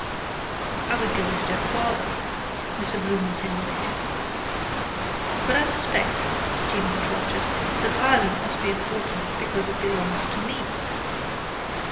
—I would go a step farther, Mr Bloom insinuated. —But I suspect, Stephen interrupted, that Ireland must be important because it belongs to me.